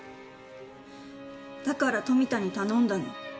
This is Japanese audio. だから富田に頼んだの。